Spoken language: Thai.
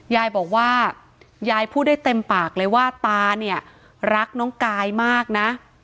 ยายบอกว่ายายพูดได้เต็มปากเลยว่าตาเนี่ยรักน้องกายมากนะ